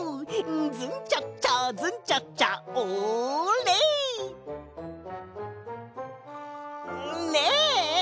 「ズンチャッチャズンチャッチャオーレ！」ねえ！